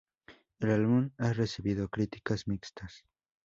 El álbum ha recibió críticas mixtas.